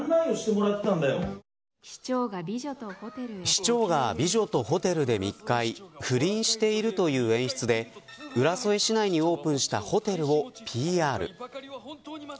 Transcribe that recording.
市長が美女とホテルで密会不倫しているという演出で浦添市内にオープンしたホテルをＰＲ。